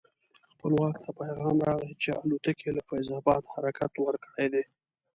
خپلواک ته پیغام راغی چې الوتکې له فیض اباد حرکت ورکړی دی.